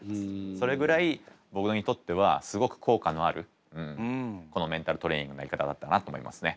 それぐらい僕にとってはすごく効果のあるこのメンタルトレーニングのやり方だったなと思いますね。